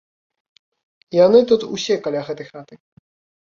І яны тут усе каля гэтай хаты.